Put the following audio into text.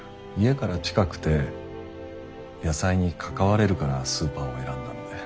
家から近くて野菜に関われるからスーパーを選んだんで。